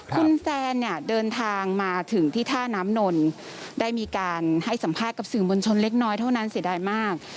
คุณแซนเนี่ยเดินทางมาถึงที่ท่าน้ำนนได้มีการให้สัมภาษณ์กับสื่อมวลชนเล็กน้อยเท่านั้นเสียดายมาก